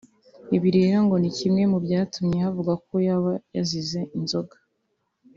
Ibi rero ngo ni kimwe mu byatumye havugwa ko yaba yazize inzoga